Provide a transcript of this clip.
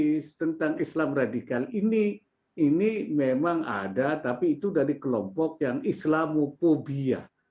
di tentang islam radikal ini ini memang ada tapi itu dari kelompok yang islamophobia